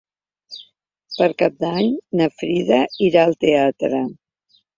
Per Cap d'Any na Frida irà al teatre.